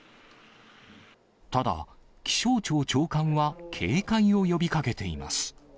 ただ、気象庁長官は警戒を呼びかけています。